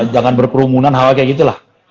jangan berkerumunan hal hal kayak gitu lah